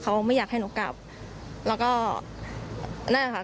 เขาไม่อยากให้หนูกลับแล้วก็นั่นแหละค่ะ